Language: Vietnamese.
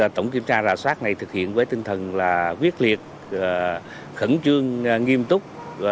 tổng kiểm tra rạp soát này thực hiện với tinh thần quyết liệt khẩn trương nghiêm túc